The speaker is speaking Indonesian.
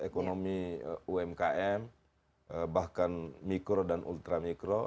ekonomi umkm bahkan mikro dan ultramikro